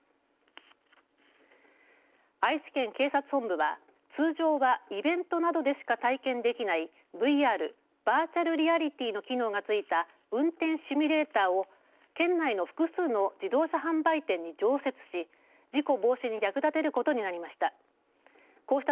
愛知県警察本部は通常はイベントなどでしか体験できないＶＲバーチャルリアリティーの機能がついた運転シミュレーターを県内の複数の自動車販売店に常設し事故防止に役立てることになりました。